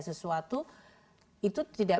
sesuatu itu tidak